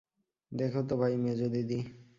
দেখো তো ভাই মেজদিদি!